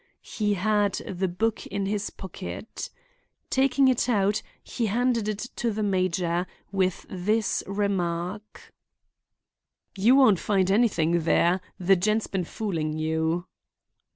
He had the book in his pocket. Taking it out, he handed it to the major, with this remark: "You won't find anything there; the gent's been fooling you."